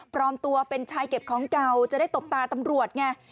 ตัวเป็นชายเก็บของเก่าจะได้ตบตาตำรวจไง